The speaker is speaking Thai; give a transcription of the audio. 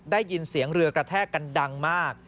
ได้ยินเสียงเรือกระแทกกันดังมาก